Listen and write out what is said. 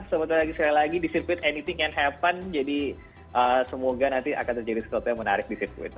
sebentar lagi sekali lagi di circuit anything can happen jadi semoga nanti akan terjadi sesuatu yang menarik di circuit